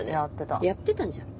やってたんじゃん。